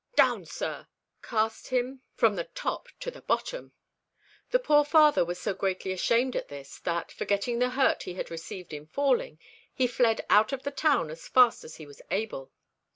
down! sir," (3) cast him from the top to the bottom. The poor father was so greatly ashamed at this, that, forgetting the hurt he had received in falling, he fled out of the town as fast as he was able.